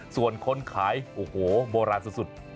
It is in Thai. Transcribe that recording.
ส่วนคนขายโฮโบราณสุด